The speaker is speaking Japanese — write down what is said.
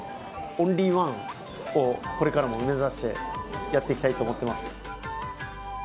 オンリー１をこれからも目指して、やっていきたいと思ってます。